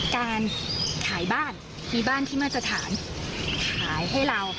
การขายบ้านมีบ้านที่มาตรฐานขายให้เรา